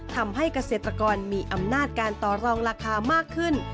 ทำให้เกษตรกรมีอำนาจการต่อรองราคามากขึ้น